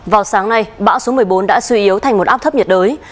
vào sáng nay bão số một mươi bốn đã suy yếu thành một áp thấp nhiệt đới